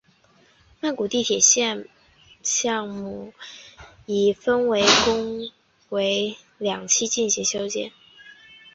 曼谷地铁紫线项目已分工为两期进行修建。